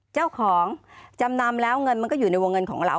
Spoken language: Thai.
จำนำแล้วเงินมันก็อยู่ในวงเงินของเรา